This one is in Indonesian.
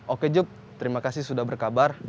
oke joke terima kasih sudah berkabar